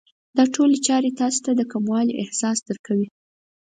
دا ټولې چارې تاسې ته د کموالي احساس درکوي.